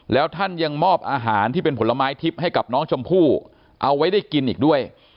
แล้วท่านยังมอบอาหารที่เป็นผลไม้ทิพย์ให้กับน้องชมพู่เอาไว้ได้กินอีกด้วย